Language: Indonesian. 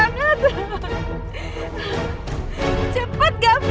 gavin cepat kita ke jalan gatot subruto